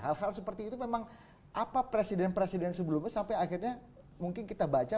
hal hal seperti itu memang apa presiden presiden sebelumnya sampai akhirnya mungkin kita baca